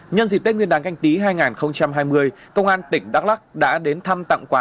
nhân dịp tết nguyên đán canh tí hai nghìn hai mươi công an tỉnh đắk lắc đã đến thăm tặng quà